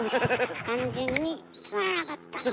単純につまらなかったの。